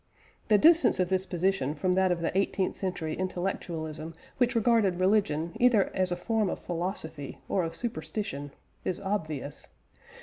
The distance of this position from that of the eighteenth century intellectualism which regarded religion either as a form of philosophy or of superstition, is obvious.